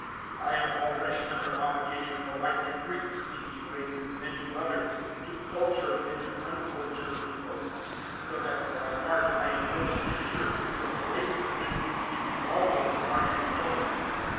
001:014 I am already under obligations alike to Greek speaking races and to others, to cultured and to uncultured people: 001:015 so that for my part I am willing and eager to proclaim the Good News to you also who are in Rome.